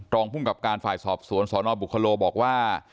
รองภูมิกับการฝ่ายสอบสวนสนบุคโลบอกว่า